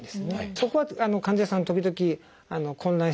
そこは患者さん時々混乱してしまう。